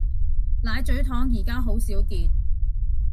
奶咀糖而家都好少見